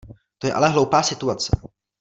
To je ale hloupá situace.